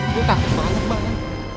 kita takut banget banget